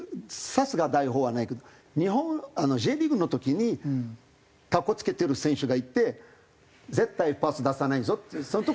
さすがに代表はないけどＪリーグの時にかっこつけてる選手がいて絶対パス出さないぞってそういうとこはできました私。